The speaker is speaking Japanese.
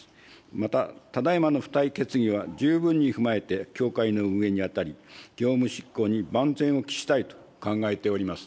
また、ただいまの付帯決議は十分に踏まえて、協会の運営に当たり、業務執行に万全を期したいと考えております。